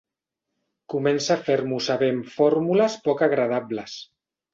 Comença a fer-m'ho saber amb fórmules poc agradables.